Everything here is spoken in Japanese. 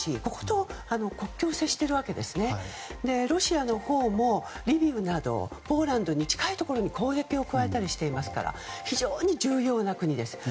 ここと国境を接しているわけですねロシアのほうも、リビウなどポーランドに近いところに攻撃を加えたりしてますから非常に重要な国です。